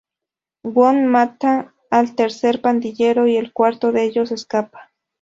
Wong mata al tercer pandillero y el cuarto de ellos escapa.